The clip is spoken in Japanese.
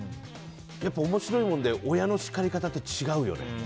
やっぱり面白いもので親の叱り方って違うよね。